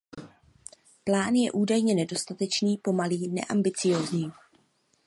Plán je údajně nedostatečný, pomalý, neambiciózní.